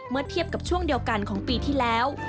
เทียบกับช่วงเดียวกันของปีที่แล้ว